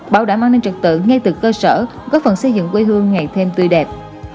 báo đã mang lên trật tự ngay từ cơ sở góp phần xây dựng quê hương ngày thêm tươi đẹp